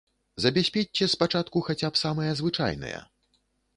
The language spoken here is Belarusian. Забяспечце спачатку хаця б самыя звычайныя.